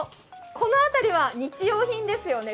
この辺りは日用品ですよね。